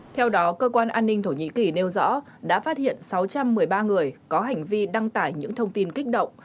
theo đó cơ quan an ninh thổ nhĩ kỳ nêu rõ đã phát hiện sáu trăm một mươi ba người có hành vi đăng tải những thông tin kích động